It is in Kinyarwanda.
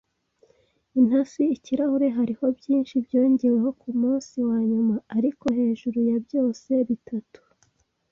“Intasi-ikirahure.” Hariho byinshi byongeweho kumunsi wanyuma, ariko hejuru ya byose, bitatu